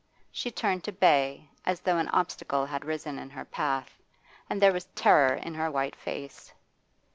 She turned to bay, as though an obstacle had risen in her path, and there was terror in her white face.